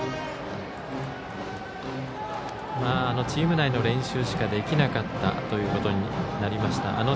チーム内の練習しかできなかったということになりました。